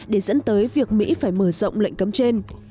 để dẫn tới việc mỹ phải mở rộng lệnh cấm trên